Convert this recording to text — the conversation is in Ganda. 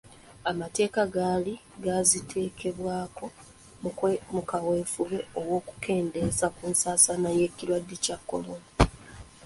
Amateeka gaali gaaziteekebwako mu kaweefube w'okukendeeza ku nsaasaana y'ekirwadde kya korona.